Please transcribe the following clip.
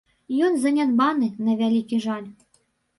Ён занядбаны, на вялікі жаль.